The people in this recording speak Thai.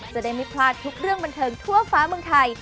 จะได้ไม่พลาดทุกเรื่องบันเทิงทั่วฟ้าเมืองไทย